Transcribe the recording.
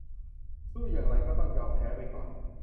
สู้อย่างไรก็ต้องยอมแพ้ไปก่อน